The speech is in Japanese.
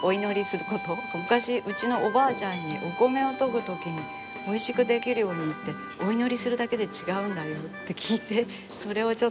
昔うちのおばあちゃんに「お米をとぐときにおいしく出来るようにってお祈りするだけで違うんだよ」って聞いてそれをちょっと信じています。